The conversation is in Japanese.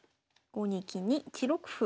５二金に１六歩。